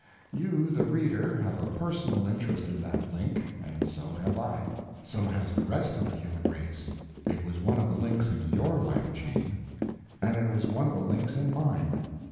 You, the reader, have a _personal _interest in that link, and so have I; so has the rest of the human race. It was one of the links in your life chain, and it was one of the links in mine.